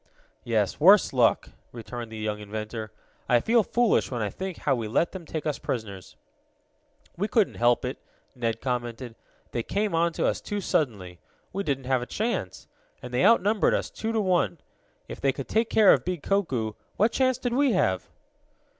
"Yes, worse luck," returned the young inventor. "I feel foolish when I think how we let them take us prisoners." "We couldn't help it," Ned commented. "They came on us too suddenly. We didn't have a chance. And they outnumbered us two to one. If they could take care of big Koku, what chance did we have?"